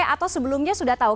atau sebelumnya sudah tahu